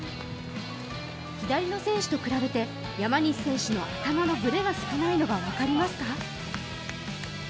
左の選手と比べて山西選手の頭のブレが少ないのが分かりますか？